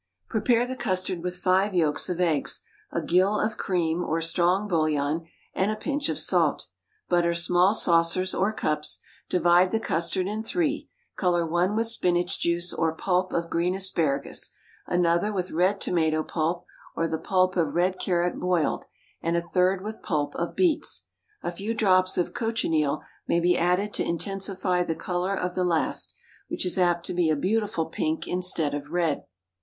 _ Prepare the custard with five yolks of eggs, a gill of cream or strong bouillon, and a pinch of salt; butter small saucers or cups; divide the custard in three color one with spinach juice or pulp of green asparagus, another with red tomato pulp or the pulp of red carrot boiled, and a third with pulp of beets. A few drops of cochineal may be added to intensify the color of the last, which is apt to be a beautiful pink instead of red.